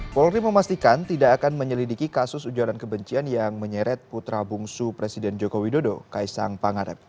polri memastikan tidak akan menyelidiki kasus ujaran kebencian yang menyeret putra bungsu presiden joko widodo kaisang pangarep